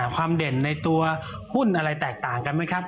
เด่นในตัวหุ้นอะไรแตกต่างกันไหมครับ